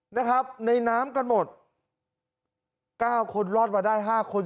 นะครับในน้ำกันหมด๙คนรอดมาได้๕คน